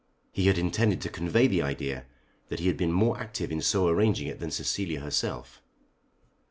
He had intended to convey the idea that he had been more active in so arranging it than Cecilia herself.